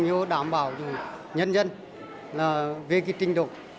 và đảm bảo cho nhân dân về cái trình độ